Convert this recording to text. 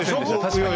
確かに。